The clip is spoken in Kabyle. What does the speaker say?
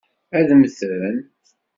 Ad mmten?